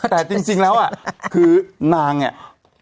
แต่จริงแล้วอ่ะคือนางอ่ะ